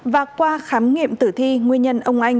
và qua khám nghiệm tử thi nguyên nhân ông anh